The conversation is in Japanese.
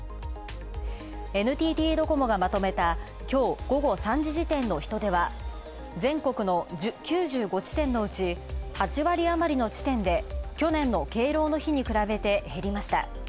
ＮＴＴドコモがまとめた、今日午後３時時点の人出は、全国の９５地点のうち８割あまりの地点で去年の敬老の日に比べて減りました。